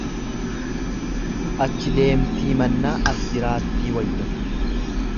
Achi deemtii mannaa as jiraattii wayya.